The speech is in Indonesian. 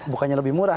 bukannya lebih murah